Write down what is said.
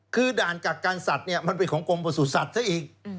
คือด่านกักกันสัตว์เนี่ยมันเป็นของกรมประสุทธิ์ซะอีก